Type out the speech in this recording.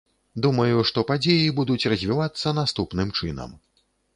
Думаю, што падзеі будуць развівацца наступным чынам.